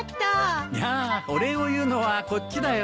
いやお礼を言うのはこっちだよ。